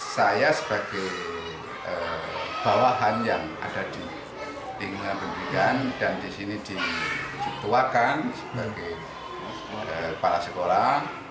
saya sebagai bawahan yang ada di dinas pendidikan dan disini dituakan sebagai kepala sekolah